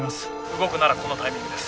動くならこのタイミングです。